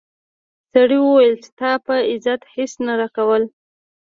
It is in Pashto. سړي وویل چې تا په عزت هیڅ نه راکول.